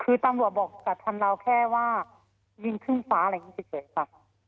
คือตำรวจบอกกระทำเราแค่ว่ายิงขึ้นฟ้าอะไรอย่างนี้เฉยค่ะ